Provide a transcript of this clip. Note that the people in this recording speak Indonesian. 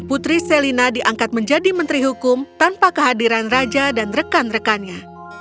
dan putri selina diangkat menjadi menteri hukum tanpa kehadiran raja dan rekan rekannya